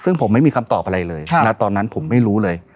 ซึ่งผมไม่มีคำตอบอะไรเลยณตอนนั้นผมไม่รู้เลย